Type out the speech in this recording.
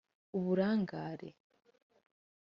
uburangare